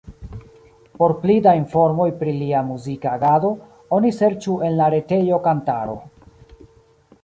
Por pli da informoj pri lia muzika agado, oni serĉu en la retejo Kantaro.